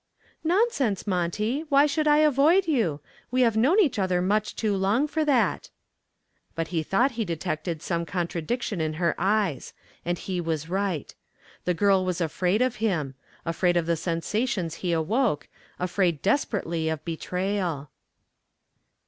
"Nonsense, Monty, why should I avoid you? We have known one another much too long for that." But he thought he detected some contradiction in her eyes, and he was right. The girl was afraid of him, afraid of the sensations he awoke, afraid desperately of betrayal.